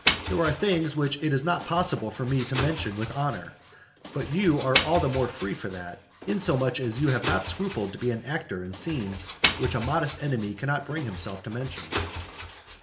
There are things which it is not possible for me to mention with honour; but you are all the more free for that, inasmuch as you have not scrupled to be an actor in scenes which a modest enemy cannot bring himself to mention.